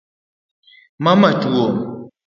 Mama tuo?